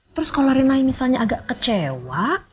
terus kalau renai misalnya agak kecewa